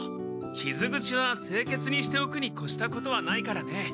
きず口はせいけつにしておくにこしたことはないからね。